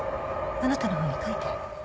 あなたの本に書いてある。